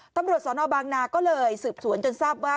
ตำรวจสนบางนาก็เลยสืบสวนจนทราบว่า